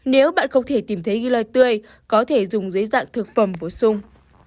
nếu bạn không thể tìm thấy ghi loi tươi có thể dùng dưới dạng thực phẩm bổ sung